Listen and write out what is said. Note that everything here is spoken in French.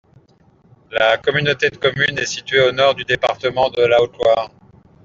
La communauté de communes est située au nord du département de la Haute-Loire.